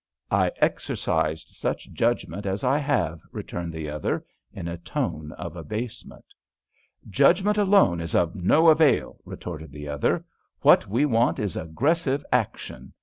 "I exercised such judgment as I have," returned the other, in a tone of abasement. "Judgment alone is of no avail," retorted the other. "What we want is aggressive action.